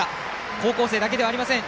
高校生だけではありません。